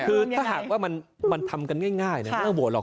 คือถ้าหากว่ามันทำกันง่ายไม่ต้องโหวตหรอ